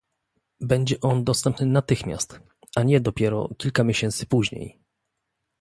Będzie on dostępny natychmiast, a nie dopiero kilka miesięcy później